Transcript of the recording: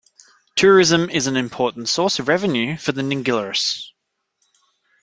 Tourism is an important source of revenue for the Nilgiris.